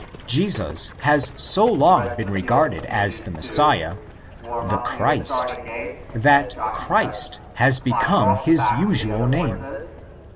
Jesus has so long been regarded as the Messiah ('"' the Christ '') that '' Christ" has become his usual name.